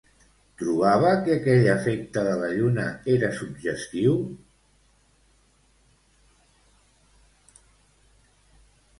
Trobava que aquell efecte de la lluna era suggestiu?